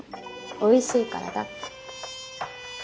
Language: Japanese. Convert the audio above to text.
おいしいからだって。